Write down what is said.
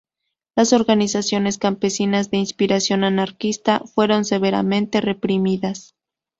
Las organizaciones campesinas de inspiración anarquista fueron severamente reprimidas.